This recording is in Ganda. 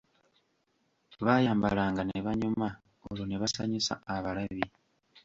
Baayambalanga ne banyuma olwo ne basanyusa abalabi!